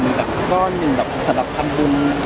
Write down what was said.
ไม่อยากให้ใครรู้ว่าเราต้องทำอะไร